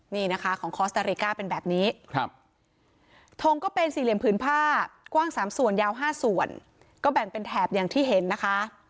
นี่นะคะของคอสเตอริก้าเป็นแบบนี้ทงก็เป็นสี่เหลี่ยมผืนผ้ากว้าง๓ส่วนยาว๕ส่วนก็แบ่งเป็นแถบอย่างที่เห็นนะคะ